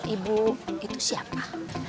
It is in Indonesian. ibu itu siapa